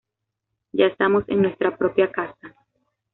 Ya estamos en nuestra propia casa.